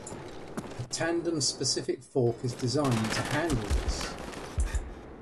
A tandem-specific fork is designed to handle this.